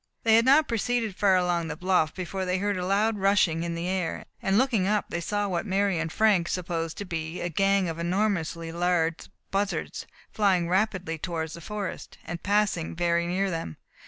They had not proceeded far along the bluff before they heard a loud rushing in the air, and looking up they saw what Mary and Frank supposed to be a gang of enormously large buzzards, flying rapidly towards the forest, and passing very near them.